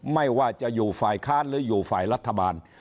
ไม่ว่าจะอยู่ฝ่ายค้านหรืออยู่ฝ่ายรัฐบาล